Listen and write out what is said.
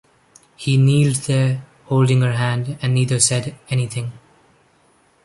He kneeled there, holding her hand, and neither said anything.